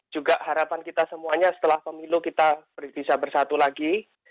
juga harapan kita semuanya setelah pemilu kita bisa bersatu lagi